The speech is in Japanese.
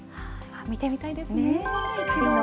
見てみたいですね、一度は。